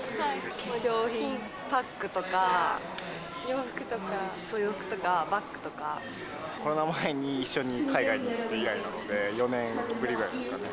化粧品、そう、コロナ前に一緒に海外に行って以来なので、４年ぶりぐらいですかね。